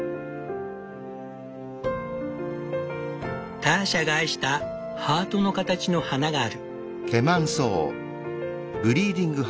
ターシャが愛したハートの形の花がある。